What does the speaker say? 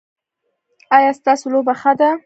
ایا ستاسو لوبه ښه ده؟